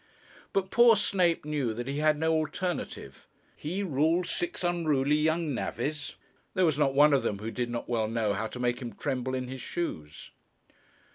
But poor Snape knew that he had no alternative. He rule six unruly young navvies! There was not one of them who did not well know how to make him tremble in his shoes.